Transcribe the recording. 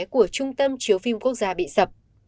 của trung tâm chiếu phim quốc gia bị sập